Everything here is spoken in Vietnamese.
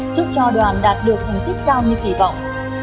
chúc cho đoàn đạt được thành tích cao như kỳ vọng